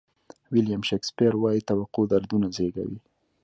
ویلیام شکسپیر وایي توقع دردونه زیږوي.